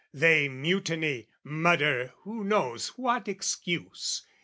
They mutiny, mutter who knows what excuse?